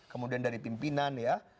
kemudian dari pimpinan ya